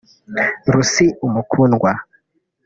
Lucie Umukundwa…